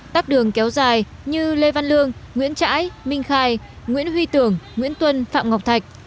tắc đường kéo dài như lê văn lương nguyễn trãi minh khai nguyễn huy tưởng nguyễn tuân phạm ngọc thạch